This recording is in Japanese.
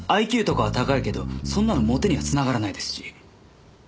ＩＱとかは高いけどそんなのモテには繋がらないですし。